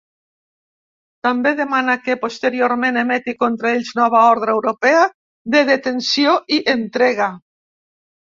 També demana que, posteriorment, emeti contra ells nova ordre europea de detenció i entrega.